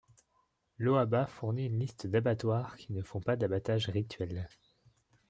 L'Oaba fournit une liste d'abattoirs qui ne font pas d'abattage rituel.